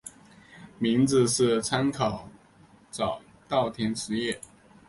名字是参考早稻田实业。